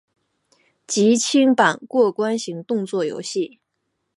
即清版过关型动作游戏。